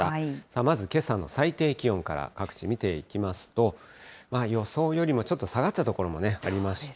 まずけさの最低気温から、各地見ていきますと、予想よりもちょっと下がった所もありました。